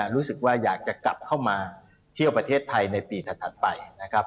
รู้สึกว่าอยากจะกลับเข้ามาเที่ยวประเทศไทยในปีถัดไปนะครับ